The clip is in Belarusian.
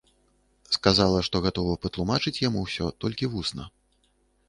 Сказала, што гатова патлумачыць яму ўсё толькі вусна.